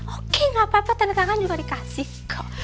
oke gak apa apa tanda tangan juga dikasih kok